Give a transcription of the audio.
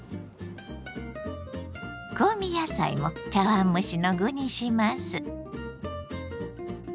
香味野菜も茶碗蒸しの具にします。